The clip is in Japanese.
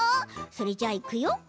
それじゃあ、いくよ！